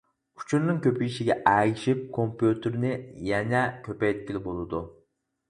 ئۇچۇرنىڭ كۆپىيىشىگە ئەگىشىپ كومپيۇتېرنى يەنە كۆپەيتكىلى بولىدۇ.